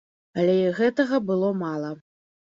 Але і гэтага было мала.